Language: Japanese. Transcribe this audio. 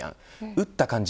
打った感じ